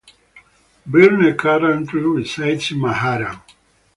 Byrne currently resides in Manhattan.